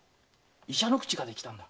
医者の口ができたんだ。